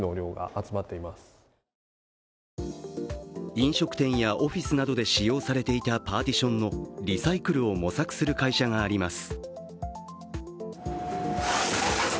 飲食店やオフィスなどで使用されていたパーティションのリサイクルを模索する会社があります。